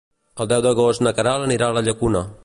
El deu d'agost na Queralt anirà a la Llacuna.